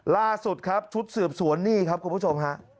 ล่าสุดครับชุดสืบสวนนี่ครับคุณผู้ชมฮะ